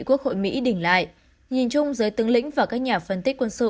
quốc hội mỹ đình lại nhìn chung giới tướng lĩnh và các nhà phân tích quân sự